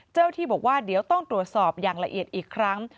เจ้าที่บอกว่าเดี๋ยวต้องตรวจสอบอย่างละเอียดอีกครั้ง